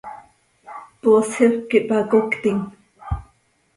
¡Poosj hipquih hpacoctim!